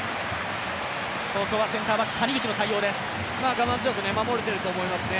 我慢強く守れていると思いますね。